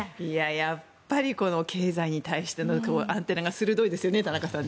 やっぱりこの経済に対してのアンテナが鋭いですよね、田中さん。